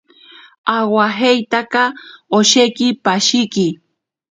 Awajeitaka osheki pashiki.